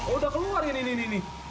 oh udah keluar ini ini ini